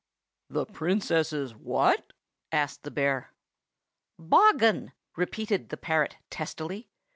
"The Princess's what?" asked the bear. "Bogghun," repeated the parrot testily.